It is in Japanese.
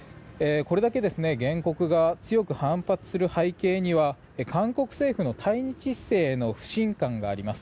これだけ原告が強く反発する背景には韓国政府の対日姿勢への不信感があります。